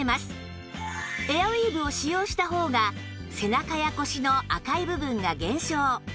エアウィーヴを使用した方が背中や腰の赤い部分が減少